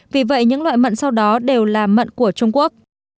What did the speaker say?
vì vậy những loại mận sau đó đều là mận của trung quốc